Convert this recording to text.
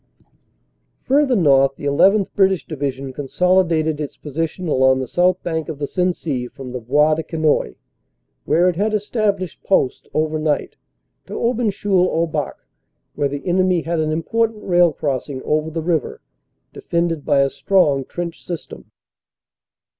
Further north the llth. British Division consolidated its OPERATIONS: SEPT. 28 29 245 position along the south bank of the Sensee from the Bois de Quesnoy, where it had established posts over night, to Auben cheul au Bac, where the enemy had an important rail crossing over the river, defended by a strong trench system.